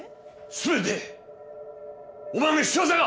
全てお前の仕業か！